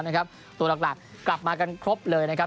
แล้วนะครับตัวหลักหลักกลับมากันครบเลยนะครับ